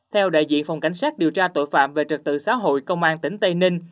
theo đại diện phòng cảnh sát điều tra tội phạm về trật tự xã hội công an tỉnh tây ninh